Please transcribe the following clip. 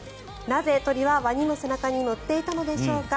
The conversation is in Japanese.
なぜ鳥はワニの背中に乗っていたんでしょうか。